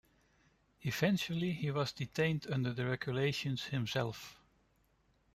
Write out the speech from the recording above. Eventually he was detained under the regulation himself.